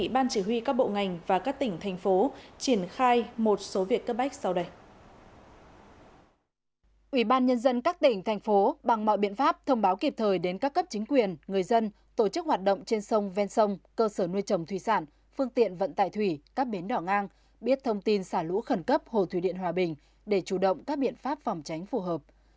bằng mọi biện pháp thông báo kịp thời đến các cấp chính quyền người dân tổ chức hoạt động trên sông ven sông cơ sở nuôi trồng thủy sản phương tiện vận tài thủy các bến đỏ ngang biết thông tin xả lũ khẩn cấp hồ thủy điện hòa bình để chủ động các biện pháp phòng tránh phù hợp